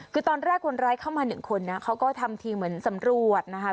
คือตอนแรกคนร้ายเข้ามาหนึ่งคนนะเขาก็ทำทีเหมือนสำรวจนะคะ